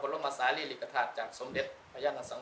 วลภาษาอนาคตริษฐานจากสมเด็จพยัง